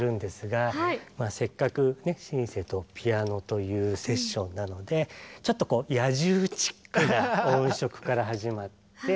せっかくねシンセとピアノというセッションなのでちょっと野獣チックな音色から始まって。